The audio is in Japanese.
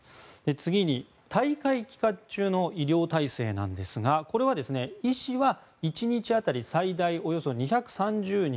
次に、大会期間中の医療体制なんですがこれは、医師は１日当たり最大およそ２３０人